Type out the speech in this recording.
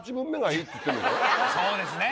そうですね。